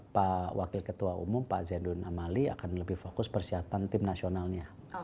pak wakil ketua umum pak zainud amali akan lebih fokus persiapan tim nasionalnya